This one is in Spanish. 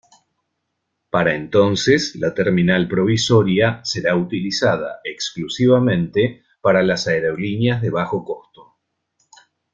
Para entonces, la terminal provisoria será utilizada exclusivamente para las aerolíneas de bajo costo.